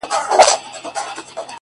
لکه کنگل تودو اوبو کي پروت يم!!